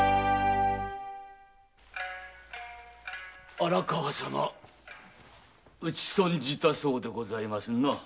荒川様打ち損じたそうでございますな。